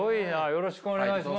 よろしくお願いします。